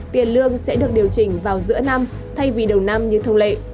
tiền lương sẽ được điều chỉnh vào giữa năm thay vì đầu năm như thông lệ